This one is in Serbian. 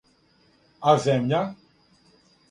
А земља